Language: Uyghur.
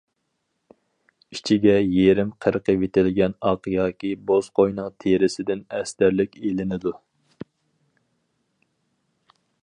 ئىچىگە يېرىم قىرقىۋېتىلگەن ئاق ياكى بوز قوينىڭ تېرىسىدىن ئەستەرلىك ئېلىنىدۇ.